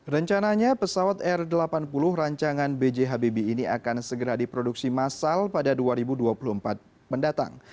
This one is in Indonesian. rencananya pesawat r delapan puluh rancangan b j habibie ini akan segera diproduksi massal pada dua ribu dua puluh empat mendatang